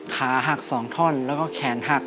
ขาหัก๒ท่อนแล้วก็แขนหัก